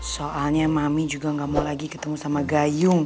soalnya mami juga gak mau lagi ketemu sama gayung